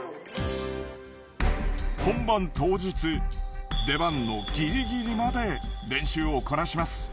本番当日出番のギリギリまで練習をこなします。